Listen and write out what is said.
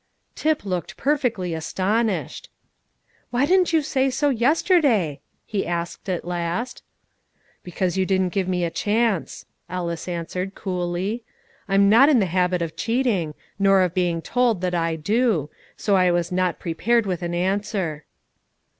Tip looked perfectly astonished. "Why didn't you say so yesterday?" he asked at last. "Because you didn't give me a chance," Ellis answered coolly. "I'm not in the habit of cheating, nor of being told that I do, so I was not prepared with an answer."